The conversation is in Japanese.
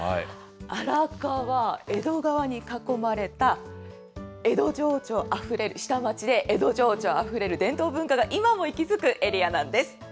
荒川、江戸川に囲まれた江戸情緒あふれる下町で、江戸情緒あふれる伝統文化が今も息づくエリアなんです。